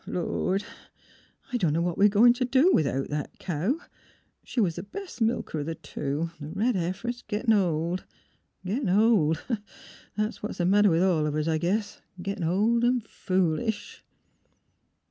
Lord! I dunno what we're goin' t' do 'thout that cow. She was th' best milker o' th' two; the red heifer's gittin' old. ... Gittin' old. Tha's what's the matter with all of us, I guess — gittin' old an' foolish."